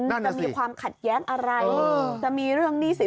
นั่นแน่น่ะสิจะมีความขัดแย้นอะไรจะมีเรื่องนี้สิ